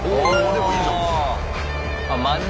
でもいいじゃん。